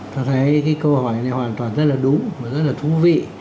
ta thấy cái câu hỏi này hoàn toàn rất là đúng và rất là thú vị